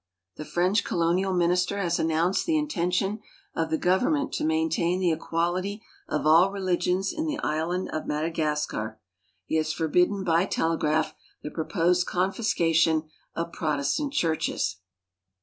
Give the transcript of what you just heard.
The French Colonial Minister has announced the inten tion of the government to maintain the equality of all religions in the island of Madagascar. He has forbidden, by telegraph, the proposed confiscation of Protestant churches.